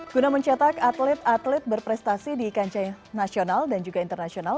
guna mencetak atlet atlet berprestasi di kancah nasional dan juga internasional